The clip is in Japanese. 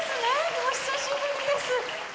お久しぶりです。